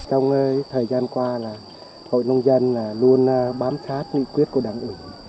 trong thời gian qua là hội nông dân luôn bám sát nghị quyết của đảng ủy